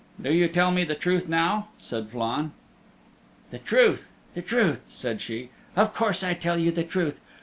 "Do you tell me the truth now," said Flann. "The truth, the truth," said she, "of course I tell you the truth.